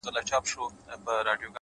سپين گل د بادام مي د زړه ور مـات كړ”